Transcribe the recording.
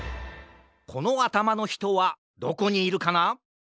このあたまのひとはどこにいるかな？